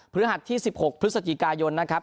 ฤหัสที่๑๖พฤศจิกายนนะครับ